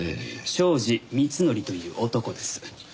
庄司光則という男です。